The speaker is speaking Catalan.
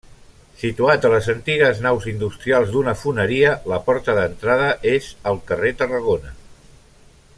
Situat a les antigues naus industrials d'una foneria, la porta d'entrada és al Carrer Tarragona.